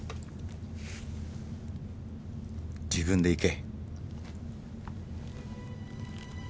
自分で行け。